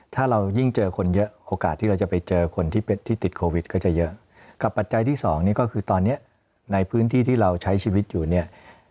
ถ้าเรายิ่งเจอคนเยอะโอกาสที่เราจะไปเจอคนที่ติดโควิดก็จะเยอะกับปัจจัยที่สองนี่ก็คือตอนนี้ในพื้นที่ที่เราใช้ชีวิตอยู่เนี่ย